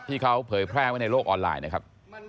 เผยแพร่ไว้ในโลกออนไลน์นะครับ